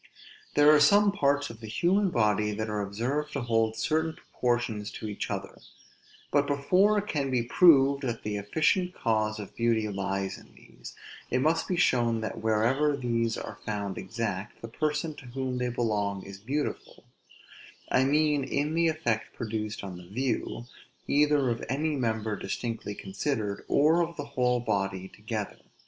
There are some parts of the human body that are observed to hold certain proportions to each other; but before it can be proved that the efficient cause of beauty lies in these, it must be shown that, wherever these are found exact, the person to whom they belong is beautiful: I mean in the effect produced on the view, either of any member distinctly considered, or of the whole body together.